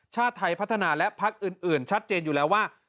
ชาติไทยพัฒนาและพักอื่นชัดเจนอยู่แล้วว่า